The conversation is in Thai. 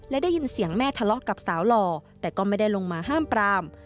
และได้ยินเสียงแม่ทะเลาะกับสาวหล่อแต่ก็ไม่ได้ลงมาห้ามปราม